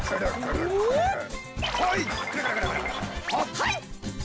はい。